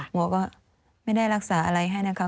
หมอก็ไม่ได้รักษาอะไรให้นะคะ